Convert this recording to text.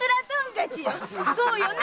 そうよね